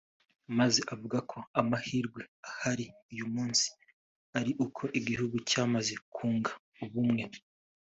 Maze avuga ko amahirwe ahari uyu munsi ari uko igihugu cyamaze kunga ubumwe